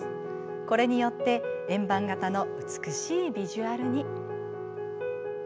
これによって円盤形の美しいビジュアルに。